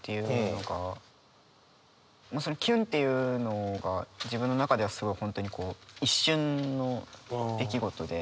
キュンっていうのが自分の中ではすごい本当にこう一瞬の出来事で。